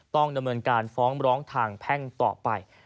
ต้องดำเนินการฟ้องร้องทางแพ่งต่อไป